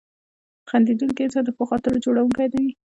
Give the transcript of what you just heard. • خندېدونکی انسان د ښو خاطرو جوړونکی وي.